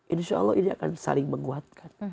insya allah ini akan saling menguatkan